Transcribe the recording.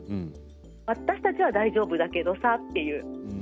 私たちは大丈夫だけどさって。